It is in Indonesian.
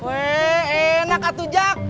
weh enak banget